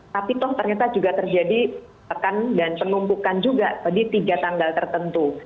tapi toh ternyata juga terjadi pekan dan penumpukan juga di tiga tanggal tertentu